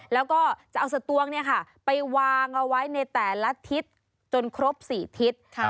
แล้วก็จะเอาสตวงไปวางเอาไว้ในแต่ละทิศจนครบ๔ทิศ